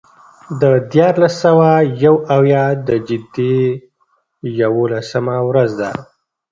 د دیارلس سوه یو اویا د جدې یوولسمه ورځ ده.